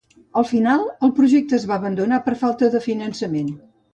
Al final, el projecte es va abandonar per falta de finançament.